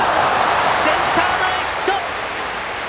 センター前ヒット！